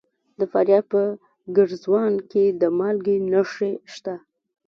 د فاریاب په ګرزوان کې د مالګې نښې شته.